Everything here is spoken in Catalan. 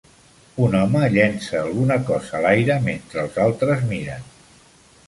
Un home llença alguna cosa a l'aire mentre els altres miren.